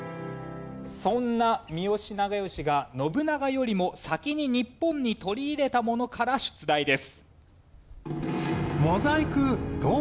そんな三好長慶が信長よりも先に日本に取り入れたものから出題です。